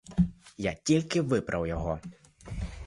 Я тільки виправ його.